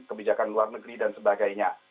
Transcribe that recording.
kebijakan luar negeri dan sebagainya